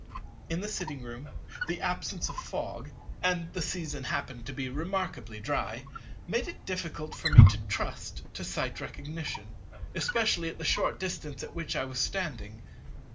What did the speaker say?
In a sitting room, the absence of Fog (and the season happened to be remarkably dry), made it difficult for me to trust to Sight Recognition, especially at the short distance at which I was standing.